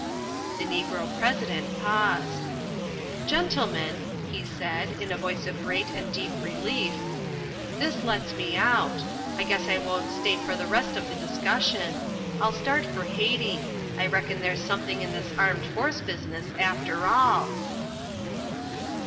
_" The Negro President paused. "Gentlemen," he said, in a voice of great and deep relief, "this lets me out. I guess I won't stay for the rest of the discussion. I'll start for Haiti. I reckon there's something in this Armed Force business after all."